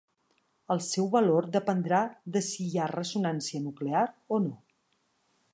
El seu valor dependrà de si hi ha ressonància nuclear o no.